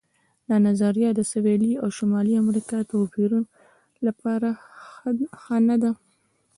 دا نظریه د سویلي او شمالي امریکا د توپیر لپاره ښه نه ده.